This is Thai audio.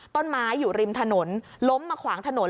ต้นไม้อยู่ริมถนนล้มมาขวางถนน